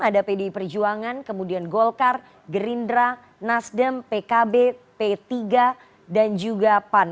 ada pdi perjuangan kemudian golkar gerindra nasdem pkb p tiga dan juga pan